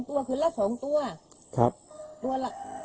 เหลืองเท้าอย่างนั้น